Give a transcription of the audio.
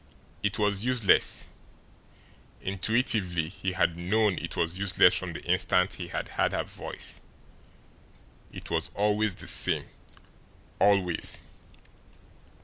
It was useless intuitively he had known it was useless from the instant he had heard her voice. It was always the same always!